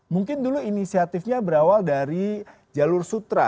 mungkin dulu inisiatifnya berawal dari jalur sutra